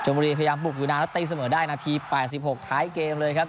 บุรีพยายามบุกอยู่นานแล้วตีเสมอได้นาที๘๖ท้ายเกมเลยครับ